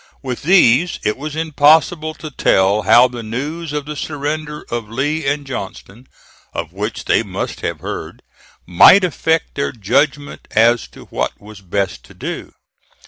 With these it was impossible to tell how the news of the surrender of Lee and Johnston, of which they must have heard, might affect their judgment as to what was best to do.